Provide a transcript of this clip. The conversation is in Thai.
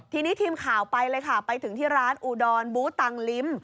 ทีนี้ทีมข่าวไปเลยค่ะไปถึงที่ร้านอุดรบูตังลิ้ม